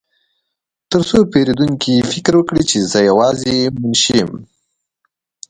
ترڅو پیرودونکي فکر وکړي چې زه یوازې یو منشي یم